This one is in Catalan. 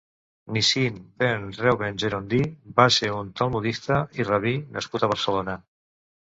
Nissim ben Reuben Gerondí va ser un talmudista i rabí nascut a Barcelona.